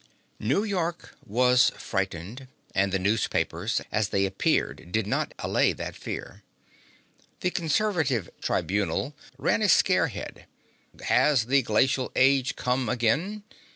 New York was frightened, and the newspapers as they appeared did not allay that fear. The conservative Tribunal ran a scare head: HAS THE GLACIAL AGE COME AGAIN?